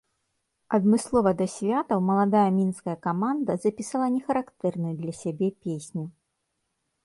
Адмыслова да святаў маладая мінская каманда запісала не характэрную для сябе песню.